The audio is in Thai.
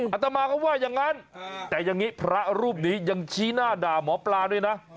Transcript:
อาตมาก็ว่าอย่างนั้นแต่อย่างนี้พระรูปนี้ยังชี้หน้าด่าหมอปลาด้วยนะ